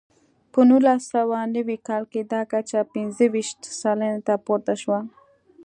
په نولس سوه نوي کال کې دا کچه پنځه ویشت سلنې ته پورته شوه.